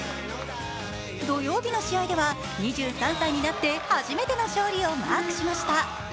土曜日の試合では２３歳になって初めての勝利をマークしました。